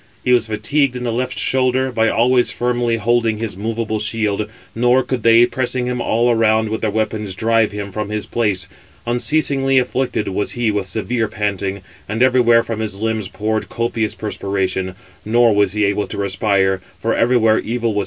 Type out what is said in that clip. He was fatigued in the left shoulder, by always firmly holding his moveable shield; nor could they, pressing him all around with their weapons, drive him [from his place]. Unceasingly afflicted was he with severe panting, and everywhere from his limbs poured copious perspiration, nor was he able to respire; for everywhere evil was heaped upon evil.